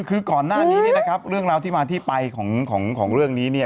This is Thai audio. คือก่อนหน้านี้เนี่ยนะครับเรื่องราวที่มาที่ไปของเรื่องนี้เนี่ย